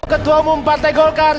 ketua umum partai golkar